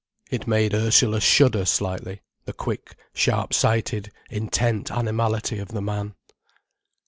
It made Ursula shudder slightly, the quick, sharp sighted, intent animality of the man.